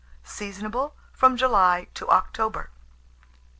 Seasonable from July to October.